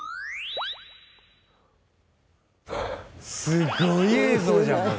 すごい映像じゃん！